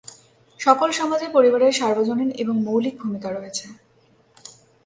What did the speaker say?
সকল সমাজে পরিবারের সার্বজনীন এবং মৌলিক ভূমিকা রয়েছে।